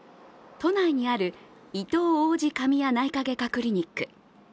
都内にあるいとう王子神谷内科外科クリニック。